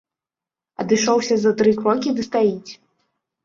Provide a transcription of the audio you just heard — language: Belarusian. Адышоўся за тры крокі ды стаіць.